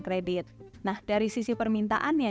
kredit nah dari sisi permintaannya